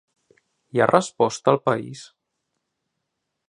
Hi ha resposta al país?